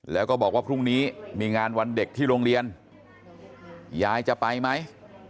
แล้วก็บอกว่าพรุ่งนี้มีงานวันเด็กที่โรงเรียนยายจะไปไหม